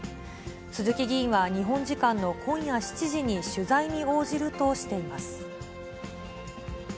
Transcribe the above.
鈴木議員は日本時間の今夜７時に取材に応じるとしています。